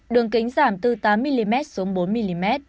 đường kính giảm từ tám mm xuống bốn mm